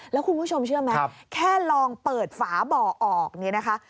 แล้วคุณผู้ชมเชื่อไหมแค่ลองเปิดฝาบ่อออกเนี่ยนะคะ